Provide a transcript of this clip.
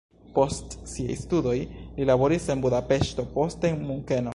Post siaj studoj li laboris en Budapeŝto, poste en Munkeno.